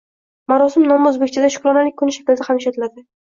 Marosim nomi oʻzbekchada Shukronalik kuni shaklida ham ishlatiladi